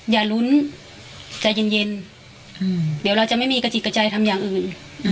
อย่ารุ้นและใจเย็นวันใหม่เดี๋ยวเราจะไม่มีจิตใจทำอย่างอื่น